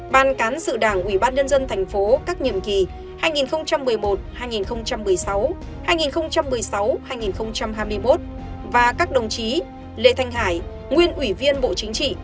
ban cán sự đảng ủy ban nhân dân thành phố các nhiệm kỳ hai nghìn một mươi một hai nghìn một mươi sáu hai nghìn một mươi sáu hai nghìn hai mươi một và các đồng chí lê thanh hải nguyên ủy viên bộ chính trị